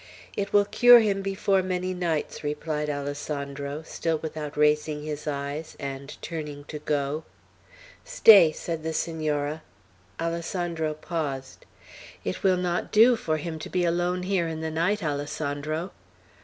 "It will cure him before many nights," replied Alessandro, still without raising his eyes, and turning to go. "Stay," said the Senora. Alessandro paused. "It will not do for him to be alone here in the night, Alessandro."